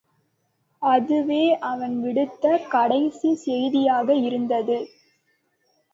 அதுவே அவன் விடுத்த கடைசி செய்தியாக இருந்தது.